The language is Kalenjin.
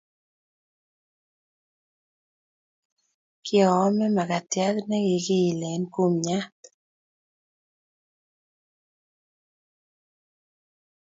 Kiame makatiat ne kikiile kumnyat